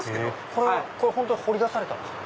これは掘り出されたんですか？